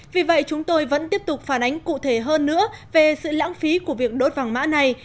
vì vậy chúng tôi vẫn tiếp tục phản ánh cụ thể hơn nữa về sự lãng phí của việc đốt vàng mã này